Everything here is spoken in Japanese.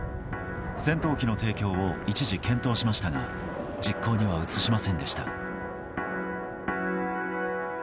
戦闘機の提供を一時検討しましたが実行には移しませんでした。